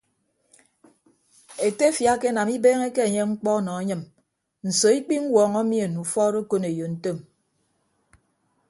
Etefia akenam ibeeñeke enye mkpọ nọ anyịm nso ikpiñwuọñọ mien ufọọd okoneyo ntom.